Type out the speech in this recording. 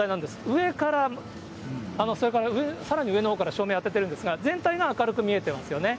上から、それからさらに上のほうから照明を当ててるんですが、全体が明るく見えてますよね。